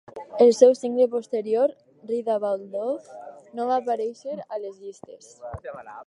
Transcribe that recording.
El seu single posterior, "Read About Love" no va aparèixer a les llistes.